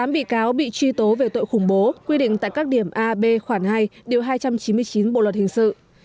tám bị cáo bị truy tố về tội khủng bố quy định tại các điểm a b khoảng hai điều hai trăm chín mươi chín bộ luật hình sự